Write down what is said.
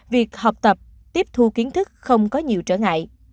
việc học tập tiếp thu kiến thức không có nhiều trở ngại